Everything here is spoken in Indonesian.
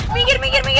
minggir minggir minggir